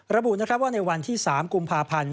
ระบุว่าในวันที่๓กุมภาพันธ์